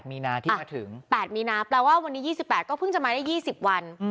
มีนาที่มาถึง๘มีนาแปลว่าวันนี้๒๘ก็เพิ่งจะมาได้๒๐วัน